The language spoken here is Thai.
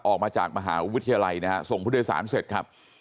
ออกมาจากมหาวิทยาลัยนะฮะส่งผู้โดยสารเสร็จครับ